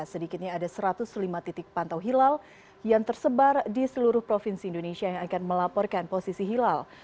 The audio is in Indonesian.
sedikitnya ada satu ratus lima titik pantau hilal yang tersebar di seluruh provinsi indonesia yang akan melaporkan posisi hilal